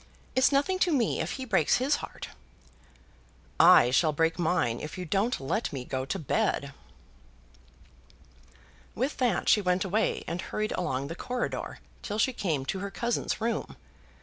It's nothing to me if he breaks his heart." "I shall break mine if you don't let me go to bed." With that she went away and hurried along the corridor, till she came to her cousin's room.